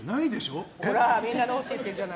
みんなノーって言ってるじゃない。